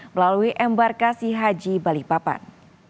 melalui embarkasi haji balikpapan